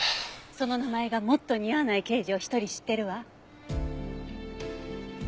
その名前がもっと似合わない刑事を１人知ってるわ。